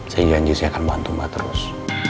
saya janji saya akan bantu mbak terus